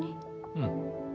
うん。